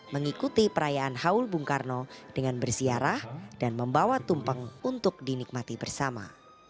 mengikuti perayaan haul bung karno dengan bersiarah dan membawa tumpeng untuk dinikmati bersama